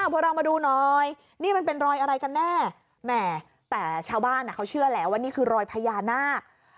พวกเรามาดูหน่อยนี่มันเป็นรอยอะไรกันแน่แหมแต่ชาวบ้านเขาเชื่อแล้วว่านี่คือรอยพญานาค